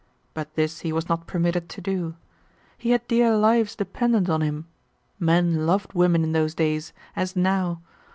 But this he was not permitted to do. He had dear lives dependent on him. Men loved women in those days, as now.